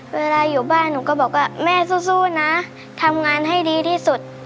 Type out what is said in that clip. เวลาอยู่บ้านหนูก็บอกว่าแม่สู้นะทำงานให้ดีที่สุด